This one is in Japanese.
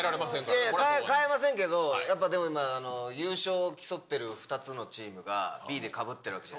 いやいや、変えませんけど、やっぱでも、優勝を競ってる２つのチームがＢでかぶってる。